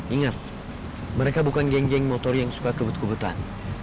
ingat mereka bukan geng geng motor yang suka kebut kebutan